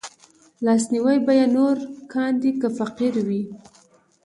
لاسنيوی به يې نور کاندي که فقير وي